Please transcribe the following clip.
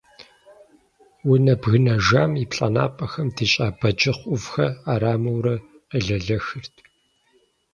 Унэ бгынэжам и плӏанэпэхэм дищӏа бэджыхъ ӏувхэр ӏэрамэурэ къелэлэхырт.